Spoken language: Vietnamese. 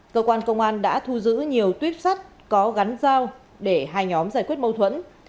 cơ quan công an đã thu giữ nhiều tuyếp sắt có gắn dao để hai nhóm giải quyết mâu thuẫn